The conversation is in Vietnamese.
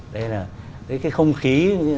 đây là cái không khí